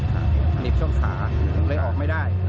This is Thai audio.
หนีบช่วงขาเลยออกไม่ได้